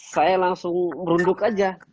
saya langsung merunduk saja